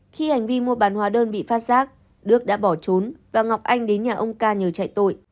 khi hành vi mua bán hóa đơn bị phát giác đức đã bỏ trốn và ngọc anh đến nhà ông ca nhờ chạy tội